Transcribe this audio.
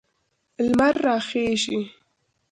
لمر راخیږي